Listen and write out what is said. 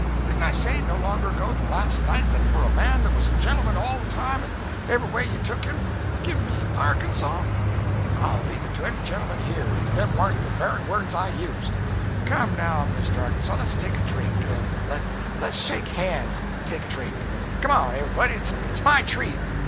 Didn't I say, no longer ago than last night, that for a man that was a gentleman all the time and every way you took him, give me Arkansas? I'll leave it to any gentleman here if them warn't the very words I used. Come, now, Mr. Arkansas, le's take a drink—le's shake hands and take a drink. Come up—everybody! It's my treat.